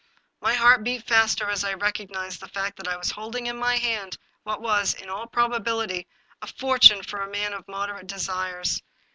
My heart beat faster as I recognized the fact that I was holding in my hand what was, in all probability, a fortune for a man of moderate desires.